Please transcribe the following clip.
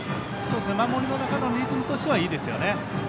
守りの中のリズムとしてはいいですね。